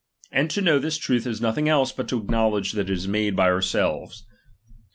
And to know this truth is nothing ^H else, but to acknowledge that it is made by our ^H selves.